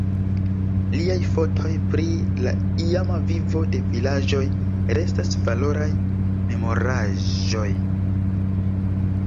Liaj fotoj pri la iama vivo de vilaĝoj restas valoraj memoraĵoj.